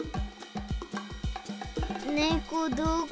ねこどこ？